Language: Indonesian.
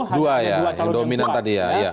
hanya dua calon yang berdua